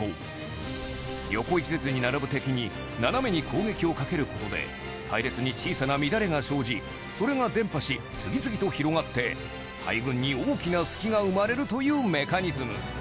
横一列に並ぶ敵に斜めに攻撃をかける事で隊列に小さな乱れが生じそれが伝播し次々と広がって大軍に大きな隙が生まれるというメカニズム